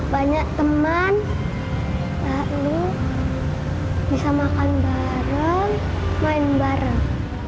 banyak teman lalu bisa makan bareng main bareng